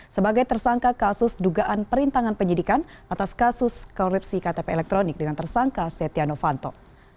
sebagai tersangka kasus dugaan perintangan penyidikan atas kasus korupsi ktp elektronik dengan tersangka setia novanto